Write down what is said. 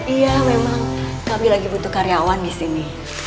iya memang kami lagi butuh karyawan disini